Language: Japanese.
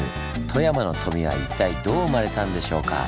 富山の「富」は一体どう生まれたんでしょうか？